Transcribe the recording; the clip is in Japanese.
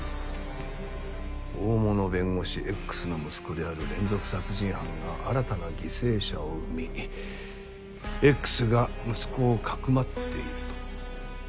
「大物弁護士Ｘの息子である連続殺人犯が新たな犠牲者を生みＸが息子を匿っている」と。